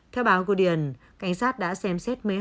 theo báo guardian cảnh sát đã xem xét